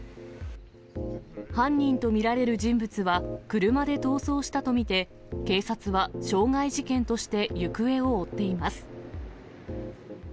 犯人と見られる人物は車で逃走したと見て、警察は傷害事件として行方を追っています。